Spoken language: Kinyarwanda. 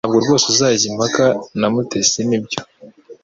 Ntabwo rwose uzajya impaka na Mutesi nibyo